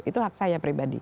itu hak saya pribadi